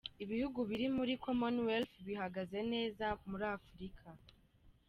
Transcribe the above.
Ibihugu biri muri Commonwealth bihagaze neza muri Afurika.